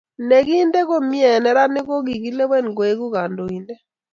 ne kinde komye eng' neranik ko kikilewen koeku kandoinde